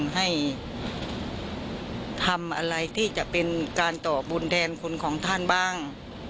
ให้ทำอะไรที่จะเป็นการต่อบุญแทนคนของท่านบ้าง